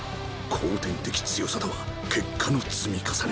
後天的強さとは結果の積み重ね。